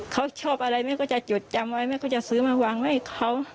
เขาชอบอะไรแม่ก็จะจดจำไว้แม่ก็จะซื้อมาวางไว้ให้เขา